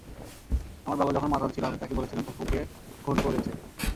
আমার বাবা যখন মাতাল ছিলো আমি তাকে বলেছিলাম ফুফুকে কে খুন করেছে।